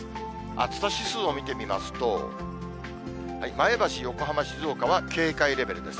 暑さ指数を見てみますと、前橋、横浜、静岡は警戒レベルです。